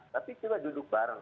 tapi coba duduk bareng